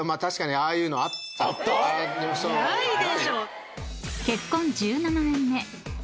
ないでしょ！